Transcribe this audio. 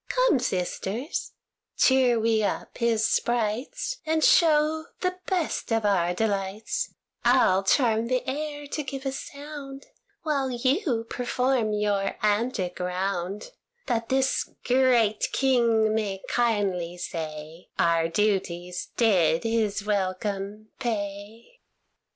Come, sisters, cheer we up his sprites, And show the best of our delights; I'll charm the air to give a sound, While you perform your antic round, That this great King may kindly say, Our duties did his welcome pay."